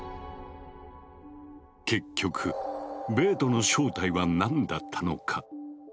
結局ベートの正体は何だったのか？